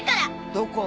どこ？